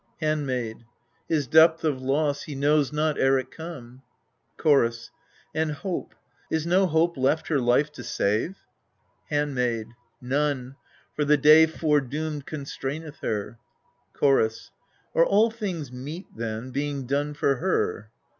Handmaid. His depth of loss he knows not ere it come. Chorus. And hope is no hope left her life to save ? Handmaid. None for the day foredoomed constrain eth her. Chorus. Are all things meet, then, being done for her?